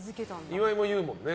岩井も言うもんね